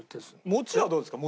餅はどうですか？